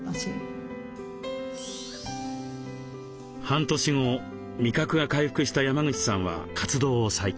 半年後味覚が回復した山口さんは活動を再開。